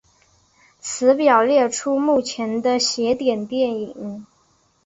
此表列出目前的邪典电影。